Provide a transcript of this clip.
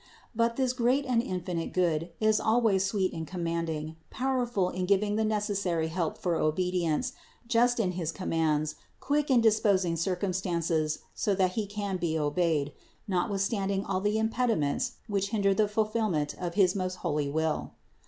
But this great and infinite Good is always sweet in commanding, powerful in giving the necessary help for obedience, just in his commands, quick in disposing circumstances so that He can be obeyed, notwithstanding all the impediments which hinder the fulfillment of his most holy will.